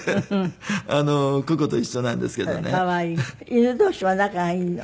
犬同士は仲がいいの？